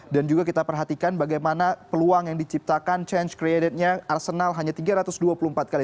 dan juga kita perhatikan bagaimana peluang yang diciptakan change created nya arsenal hanya tiga ratus dua puluh empat kali